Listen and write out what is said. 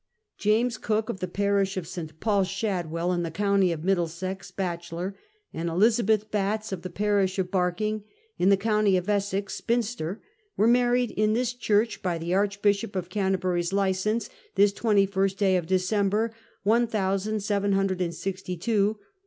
James Cook of y Parisli of St. Paul, Shadwell, in y® county of jMicldlcsex, Bachelor, and Elizalxitli P>alts of y® Parish of Barking in y® county of Essex, Spinster, were married in this church by y® Archbishoj) of Canterbury's licence this 21st <lay of Dcctjinber one thousand si'ven hundred and sixty two.